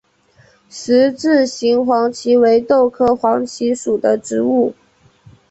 十字形黄耆为豆科黄芪属的植物。